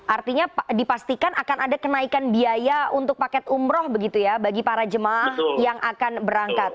artinya dipastikan akan ada kenaikan biaya untuk paket umroh begitu ya bagi para jemaah yang akan berangkat